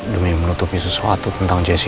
demi menutupi sesuatu tentang jessica